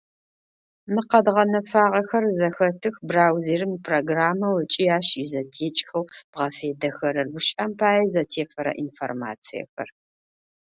Мы къэдгъэнэфагъэхэр зэхэтых браузерым ипрограммэу ыкӏи ащ изэтекӏхэу бгъэфедэхэрэр, гущыӏэм пае, зэтефэрэ информациехэр.